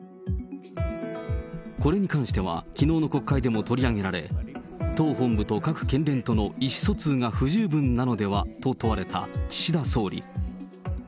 これに関してはきのうの国会でも取り上げられ、党本部と各県連との意思疎通が不十分なのではと問われた岸田総理。